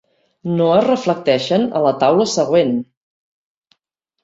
No es reflecteixen a la taula següent.